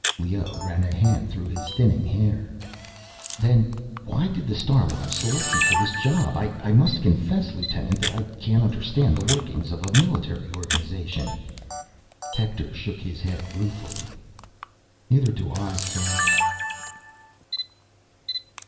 Leoh ran a hand through his thinning hair. "Then why did the Star Watch select you for this job? I must confess, lieutenant, that I can't understand the workings of a military organization." Hector shook his head ruefully, "Neither do I, sir."